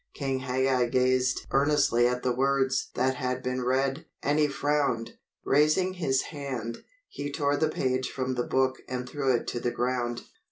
King Hagag gazed earnestly at the words that had been read, and he frowned. Raising his hand, he tore the page from the book and threw it to the ground.